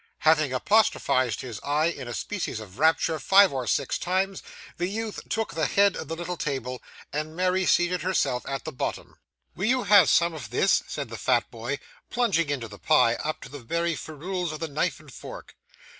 Having apostrophised his eye, in a species of rapture, five or six times, the youth took the head of the little table, and Mary seated herself at the bottom. 'Will you have some of this?' said the fat boy, plunging into the pie up to the very ferules of the knife and fork.